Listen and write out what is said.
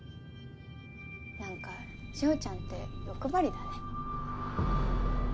なんか志法ちゃんって欲張りだね。